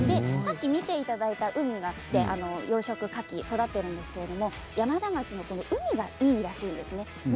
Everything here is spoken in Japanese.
見ていただいた海があって養殖かきが育っているんですが山田町の海がいいらしいんですね。